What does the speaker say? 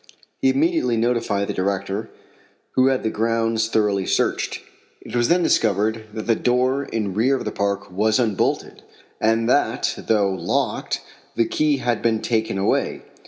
He immediately notified the director, who had the grounds thoroughly searched. It was then discovered that the door in rear of the park was unbolted, and that, though locked, the key had been taken away.